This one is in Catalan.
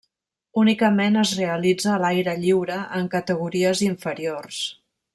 Únicament es realitza a l'aire lliure en categories inferiors.